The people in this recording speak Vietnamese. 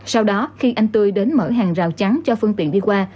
sau đó khi anh tươi đến mở hàng rào chắn cho phương tiện đi qua